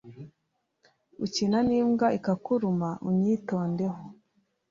Ukina nimbwa ikakuruma unyitondeho